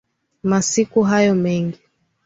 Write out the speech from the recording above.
Masiku hayo mengi